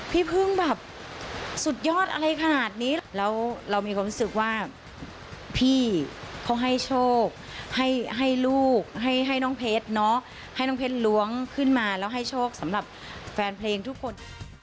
พี่เพิ่งแบบสุดยอดอะไรขนาดนี้แล้วเรามีความรู้สึกว่าพี่เขาให้โชคให้ลูกให้น้องเพชรเนาะให้น้องเพชรล้วงขึ้นมาแล้วให้โชคสำหรับแฟนเพลงทุกคน